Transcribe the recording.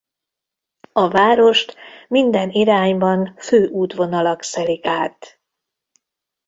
A várost minden irányban főútvonalak szelik át.